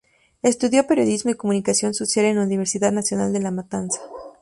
Estudió periodismo y comunicación social en la Universidad Nacional de La Matanza.